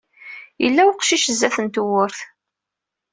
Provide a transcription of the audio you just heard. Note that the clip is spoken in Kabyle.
Yella uqcic sdat n tewwurt.